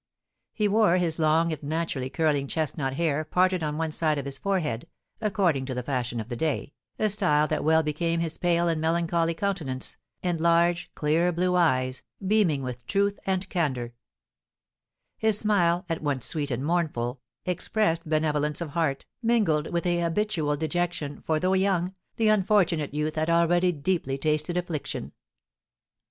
He wore his long and naturally curling chestnut hair parted on one side of his forehead, according to the fashion of the day, a style that well became his pale and melancholy countenance, and large, clear blue eyes, beaming with truth and candour; his smile, at once sweet and mournful, expressed benevolence of heart, mingled with a habitual dejection, for, though young, the unfortunate youth had already deeply tasted affliction.